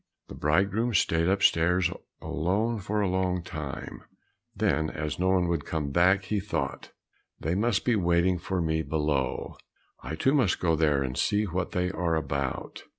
The bridegroom stayed upstairs alone for a long time; then as no one would come back he thought, "They must be waiting for me below; I too must go there and see what they are about."